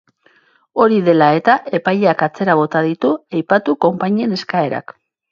Hori dela eta, epaileak atzera bota ditu aipatu konpainien eskaerak.